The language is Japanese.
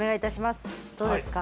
どうですか？